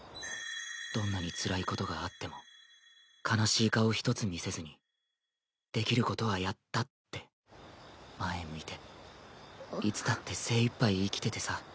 どんなにつらいことがあっても悲しい顔一つ見せずにできることはやったって前向いていつだって精いっぱい生きててさ。